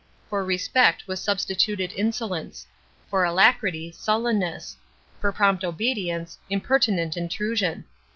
For respect was substituted insolence; for alacrity, sullenness; for prompt obedience, impertinent intrusion.